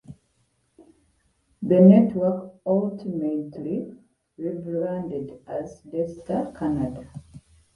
The network ultimately re-branded as Daystar Canada.